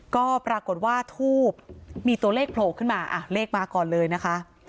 ก็ปรากฏว่าทูบมีตัวเลขโผล่ขึ้นมาเลขมาก่อนเลยนะคะ